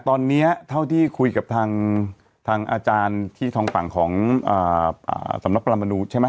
ตอนนี้เท่าที่คุยกับทางอาจารย์ที่ทางฝั่งของสำนักประมนูใช่ไหม